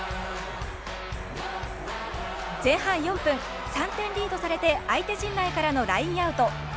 前半４分、３点リードされて相手陣内からのラインアウト。